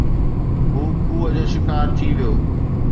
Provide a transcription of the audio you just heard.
هو کوهه جو شڪار ٿي ويو